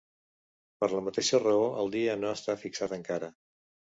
Per la mateixa raó el dia no està fixat encara.